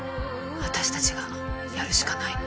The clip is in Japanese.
私達がやるしかないの。